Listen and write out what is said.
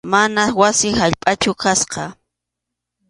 Manas wasi allpachu kasqa.